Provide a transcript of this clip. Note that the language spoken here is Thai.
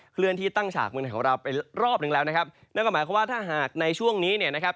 เลื่อนที่ตั้งฉากเมืองไทยของเราไปรอบหนึ่งแล้วนะครับนั่นก็หมายความว่าถ้าหากในช่วงนี้เนี่ยนะครับ